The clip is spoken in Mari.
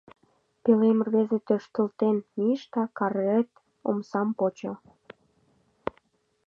Пӧлем-рвезе тӧршталтен мийыш да карет омсам почо.